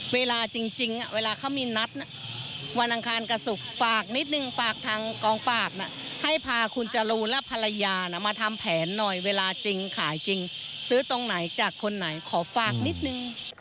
เวลาจริงเวลาเขามีนัดวันอังคารกับศุกร์ฝากนิดนึงฝากทางกองปราบให้พาคุณจรูนและภรรยามาทำแผนหน่อยเวลาจริงขายจริงซื้อตรงไหนจากคนไหนขอฝากนิดนึง